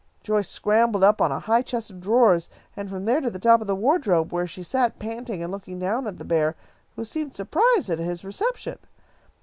Joyce scrambled up on a high chest of drawers, and from there to the top of the wardrobe, where she sat panting and looking down at the bear, who seemed surprised at his reception.